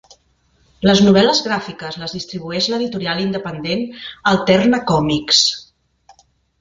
Les novel·les gràfiques les distribueix l'editorial independent Alterna Comics.